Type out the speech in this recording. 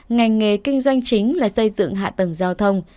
ngành nghề kinh doanh chính là xây dựng hạ tầng giao thông